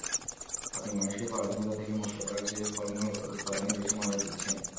আপনি মানুষকে পরাধীনতা থেকে মুক্ত করার চেয়ে ফলমূল উৎপাদনেই বেশি মনোযোগ দিচ্ছেন!